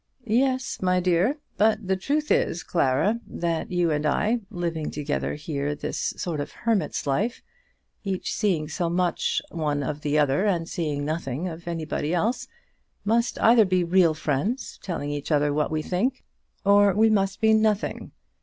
"Yes, my dear; but the truth is, Clara, that you and I, living together here this sort of hermit's life, each seeing so much of the other and seeing nothing of anybody else, must either be real friends, telling each other what we think, or we must be nothing.